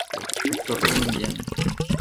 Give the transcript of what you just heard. Actor colombiano.